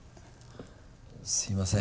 すいません。